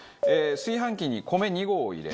炊飯器に米２合を入れ。